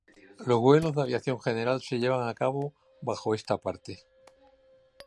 Los vuelos de aviación general se llevan a cabo bajo esta parte.